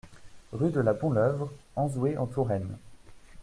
Rue de la Bonleuvre, Auzouer-en-Touraine